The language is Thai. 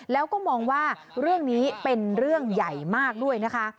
แล้วก็มองว่าเรื่องนี้เป็นเรื่องใหญ่มากด้วยนะคะ